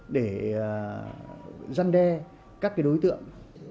để dân đe các đối tượng